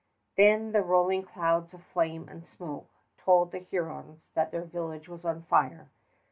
Then the rolling clouds of flame and smoke told the Hurons that their village was on fire.